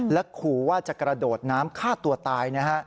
และขอว่าจะกระโดดน้ำฆ่าตัวตาย